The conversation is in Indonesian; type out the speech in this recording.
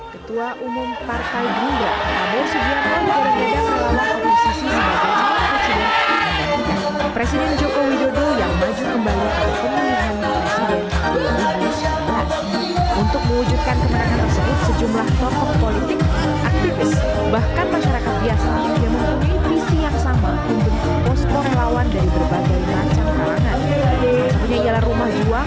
ketua umum partai gerindra amo subianto gerindra berlaku organisasi sejak tahun kecil